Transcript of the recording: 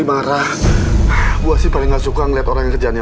eh mustahil dengerin ya